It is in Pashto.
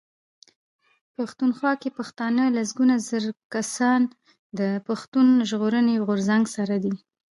پښتونخوا کې پښتانه لسګونه زره کسان د پښتون ژغورني غورځنګ سره دي.